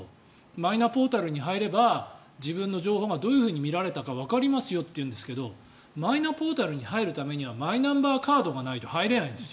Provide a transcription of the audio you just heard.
マイナポータルに入れば自分の情報がどう見られたかわかりますよっていうんですけどマイナポータルに入るためにはマイナンバーカードがないと入れないんですよ。